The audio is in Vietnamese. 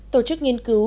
tổ chức nghiên cứu